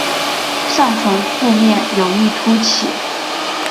上唇腹面有一突起。